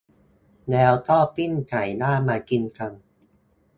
แล้วก็ปิ้งไก่ย่างมากินกัน